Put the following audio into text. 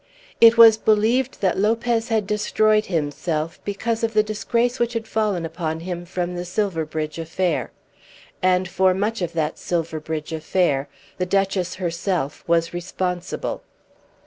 It was believed that Lopez had destroyed himself because of the disgrace which had fallen upon him from the Silverbridge affair. And for much of that Silverbridge affair the Duchess herself was responsible.